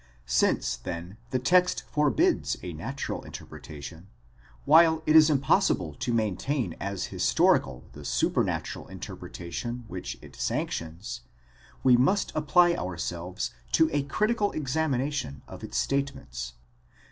aes TRANSFIGURATION OF JESUS: 541 then the text forbids a natural interpretation, while it is impossible to maintain as historical the supernatural interpretation which it sanctions, we must apply ourselves to a critical examination of its statements.